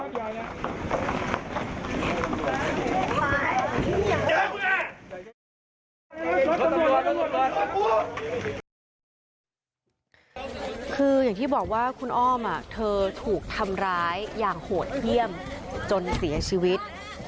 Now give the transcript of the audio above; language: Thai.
คืออย่างที่บอกว่าคุณอ้อมเธอถูกทำร้ายอย่างโหดเยี่ยมจนเสียชีวิต